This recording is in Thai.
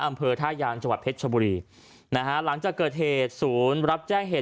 อำเภอท่ายางจังหวัดเพชรชบุรีนะฮะหลังจากเกิดเหตุศูนย์รับแจ้งเหตุ